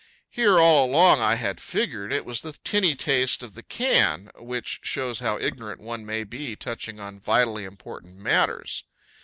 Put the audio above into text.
Here all along I had figured it was the tinny taste of the can, which shows how ignorant one may be touching on vitally important matters.